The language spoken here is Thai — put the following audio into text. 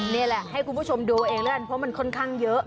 นี่แหละให้คุณผู้ชมดูเองแล้วกันเพราะมันค่อนข้างเยอะ